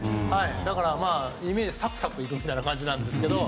だから、イメージはサクサク行くみたいな感じなんですけど。